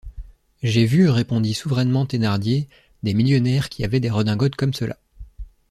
J’ai vu, répondit souverainement Thénardier, des millionnaires qui avaient des redingotes comme cela.